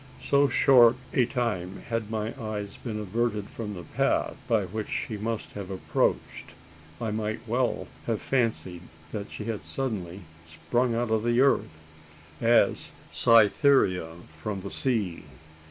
So short a time had my eyes been averted from the path by which she must have approached, I might well have fancied that she had suddenly sprung out of the earth as Cytherea from the sea!